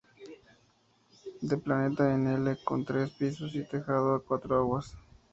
De planta en "L" con tres pisos y tejado a cuatro aguas.